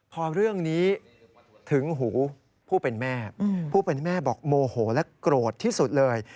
พอเรื่องนี้ถึงหูผู้เป็นแม่ผู้เป็นแม่บอกโมโหและโกรธที่สุดเลย